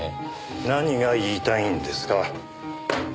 何が言いたいんですか。